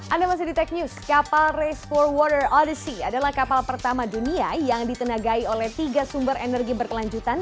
anda masih di tech news kapal race for water olda sea adalah kapal pertama dunia yang ditenagai oleh tiga sumber energi berkelanjutan